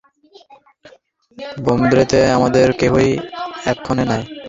বোম্বেতে আমাদের কেহই এক্ষণে নাই।